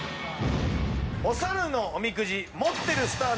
お猿のおみくじ。